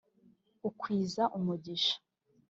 ukwiza umugisha.